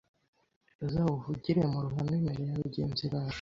uzawuvugire mu ruhame imere ya agezi bawe